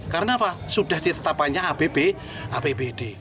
karena apa sudah ditetapannya abb abbd